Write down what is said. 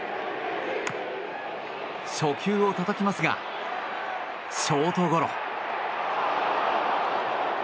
初球をたたきますがショートゴロ。